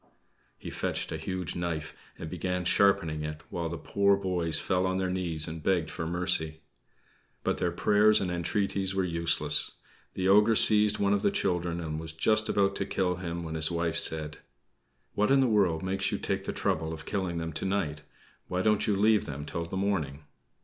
He fetched a huge knife and began sharpening it, while the poor boys fell on their knees and begged for mercy. But their prayers and entreaties were useless. The ogre seized one of the children and was just about to kill him, when his wife said "What in the world makes you take the trouble of killing them to night? Why don't you leave them till the morning?